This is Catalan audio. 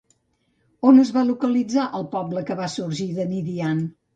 On es va localitzar el poble que va sorgir de Midian?